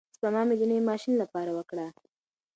سپما مې د نوي ماشین لپاره وکړه.